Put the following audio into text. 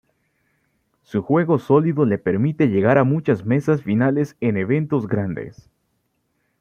Su juego sólido le permite llegar a muchas mesas finales en eventos grandes.